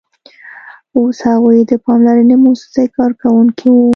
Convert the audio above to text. اوس هغوی د پاملرنې موسسې کارکوونکي وو